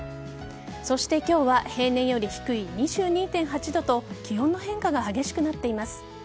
そして今日は平年より低い２２．８度と気温の変化が激しくなっています。